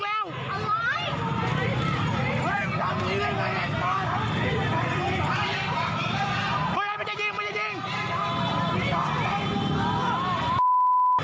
ภาพภาพภาพภาพ